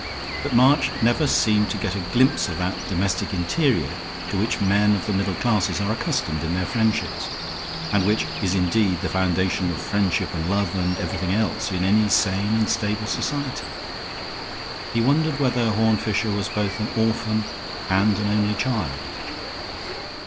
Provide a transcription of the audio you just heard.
But March never seemed to get a glimpse of that domestic interior to which men of the middle classes are accustomed in their friendships, and which is indeed the foundation of friendship and love and everything else in any sane and stable society. He wondered whether Horne Fisher was both an orphan and an only child.